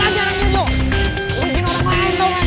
katanya minum goreng more schedules